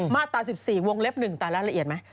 มาตรา๑๔วงเล็บ๑ตายแล้วละเอียดไหม